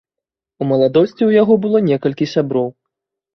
У маладосці ў яго было некалькі сяброў.